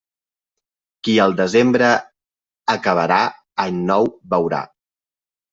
Qui el desembre acabarà, any nou veurà.